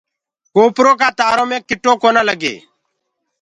ڪوپرو ڪآ تآرو مي جنگ ڪونآ لگي۔